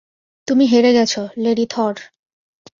তুমি হেরে গেছ, লেডি থর।